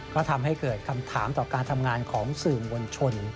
ก็ทำให้เกิดคำถามต่อการทำงานของสื่อมวลชน